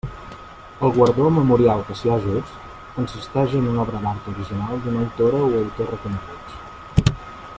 El guardó Memorial Cassià Just consisteix en una obra d'art original d'una autora o autor reconeguts.